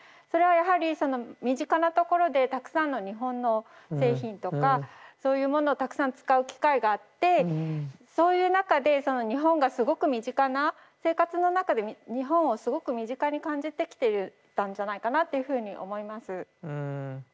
それはやはり身近なところでたくさんの日本の製品とかそういうものをたくさん使う機会があってそういう中でその日本がすごく身近な生活の中で日本をすごく身近に感じてきてたんじゃないかなっていうふうに思います。